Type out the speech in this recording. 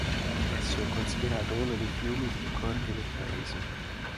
Esso è considerato uno dei fiumi più corti del Paese.